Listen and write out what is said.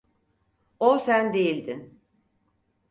O sen değildin.